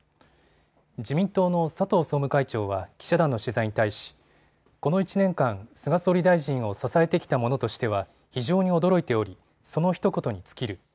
自民党の佐藤総務会長は記者団の取材に対しこの１年間、菅総理大臣を支えてきた者としては非常に驚いておりそのひと言に尽きる。